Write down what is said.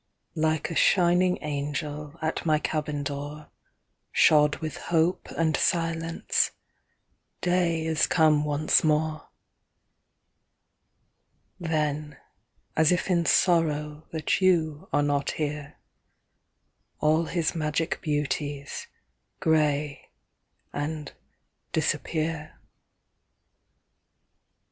Like a shining angel At my cabin door, Shod with hope and silence, Day is come once more. Then, as if in sorrow That you are not here, All his magic beauties Gray and disappear.